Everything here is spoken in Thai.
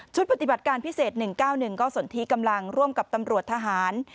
ปฏิบัติการพิเศษ๑๙๑ก็สนที่กำลังร่วมกับตำรวจทหาร